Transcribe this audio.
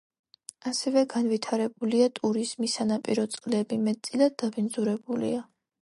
ასევე განვითარებულია ტურიზმი, სანაპირო წყლები მეტწილად დაბინძურებულია.